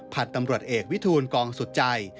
ตำรวจเอกวิทูลกองสุดใจ